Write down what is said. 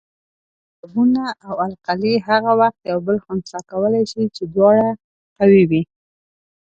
تیزابونه او القلي هغه وخت یو بل خنثي کولای شي چې دواړه قوي وي.